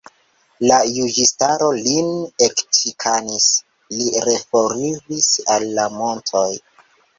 La juĝistaro lin ekĉikanis; li reforiris al la montoj.